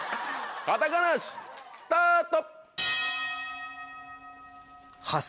カタカナーシスタート！